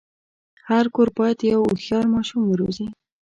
هر کور باید یو هوښیار ماشوم وروزي.